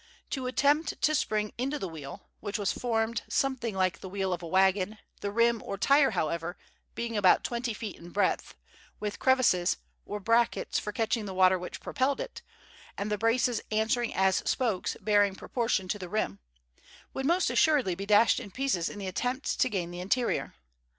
To attempt to spring into the wheel—which was formed something like the wheel of a wagon, the rim, or tire, however, being about twenty feet in breadth, with crevices, or brackets, for catching the water which propelled it, and the braces answering as spokes bearing proportion to the rim—would almost assuredly be dashed in pieces in the attempt to gain the interior.